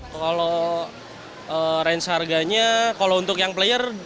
kalau range harganya kalau untuk yang player